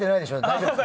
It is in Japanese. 大丈夫です。